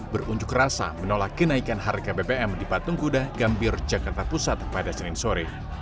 berunjuk rasa menolak kenaikan harga bbm di patung kuda gambir jakarta pusat pada senin sore